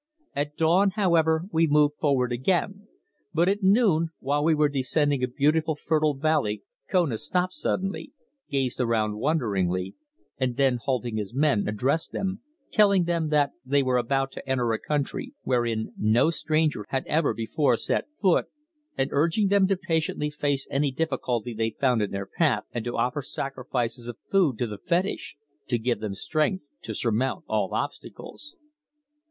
At dawn, however, we moved forward again, but at noon, while we were descending a beautiful fertile valley Kona stopped suddenly, gazed around wonderingly, and then halting his men addressed them, telling them that they were about to enter a country wherein no stranger had ever before set foot, and urging them to patiently face any difficulty they found in their path, and to offer sacrifices of food to the fetish to give them strength to surmount all obstacles.